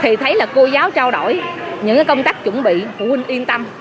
thì thấy là cô giáo trao đổi những công tác chuẩn bị phụ huynh yên tâm